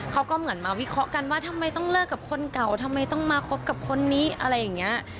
เขาก็เหมือนมาวิเคราะห์กันว่าทำไมต้องเลิกกับคนเก่าทำไมต้องมาคบกับคนนี้อะไรอย่างนี้